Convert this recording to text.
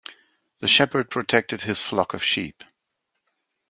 The shepherd protected his flock of sheep.